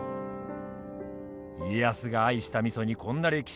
家康が愛した味にこんな歴史があるとは。